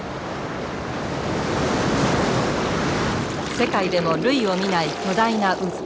世界でも類を見ない巨大な渦。